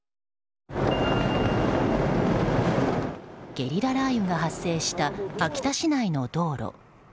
ゲリラ雷雨が発生した秋田市内の道路。